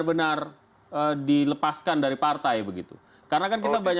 ini kan proses hukum ya